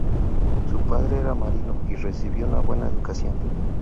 Su padre era marino y recibió una buena educación.